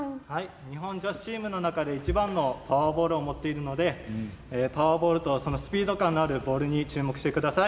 日本女子チームの中で一番のパワーボールを持っているのでパワーボールとスピード感のあるボールに注目してください。